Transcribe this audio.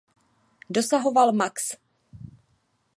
Dosahoval max.